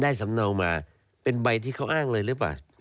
สำเนามาเป็นใบที่เขาอ้างเลยหรือเปล่า